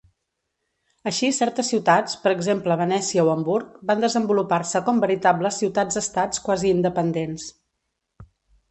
Així certes ciutats, per exemple Venècia o Hamburg van desenvolupar-se com veritables ciutats-estats quasi independents.